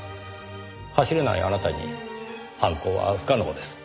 走れないあなたに犯行は不可能です。